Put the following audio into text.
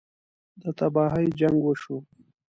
ده تباهۍ جـنګ وشو.